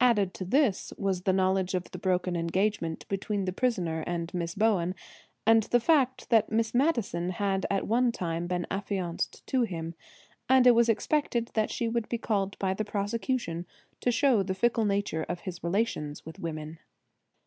Added to this was the knowledge of the broken engagement between the prisoner and Miss Bowen, and the fact that Miss Madison had at one time been affianced to him, and it was expected that she would be called by the prosecution to show the fickle nature of his relations with women.